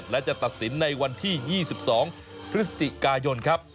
และจะตัดสินในวันที่๒๒พฤศจิกายนครับ